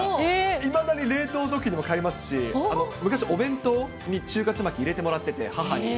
いまだに冷凍食品でも買いますし、昔、お弁当に中華ちまき入れてもらってて、母に。